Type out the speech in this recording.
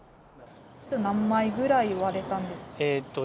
何枚ぐらい割れたんですか？